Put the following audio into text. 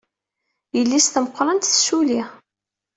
Yelli-s tameqrant tessulli.